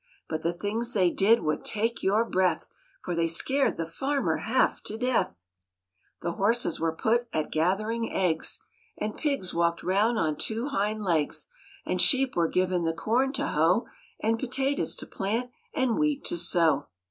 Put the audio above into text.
But the things they did would take your breath, For they scared the farmer half to death. learning the HOW THE BEARS REACHED NEW YORK 13 : 1111 The horses were put at gathering eggs, And pigs walked round on two hind legs, And sheep were given the corn to hoe And potatoes to plant and wheat to sow.